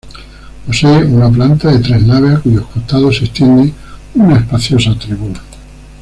Posee una planta de tres naves, a cuyos costados se extiende una espaciosa tribuna.